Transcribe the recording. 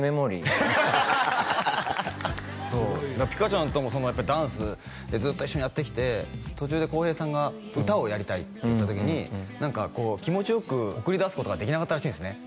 ハハハハハハハハハハピカちゃんともダンスずっと一緒にやってきて途中で洸平さんが歌をやりたいって言った時に何かこう気持ちよく送り出すことができなかったらしいんですね